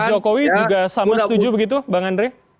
pak jokowi juga sama setuju begitu bang andre